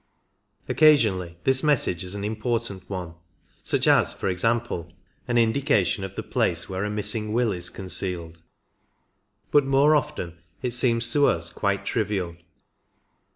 Occasionally this message is an important one, such as, for example, an indication of the place where a missing will is 32 concealed; but more often it seems to us quite trivial.